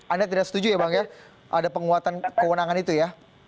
anda tidak setuju ya bang ya ada penguatan kewenangan itu ya